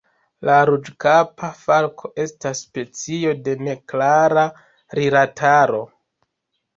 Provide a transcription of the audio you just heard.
La Ruĝkapa falko estas specio de neklara rilataro.